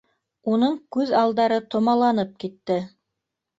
Уның күҙ алдары томаланып китте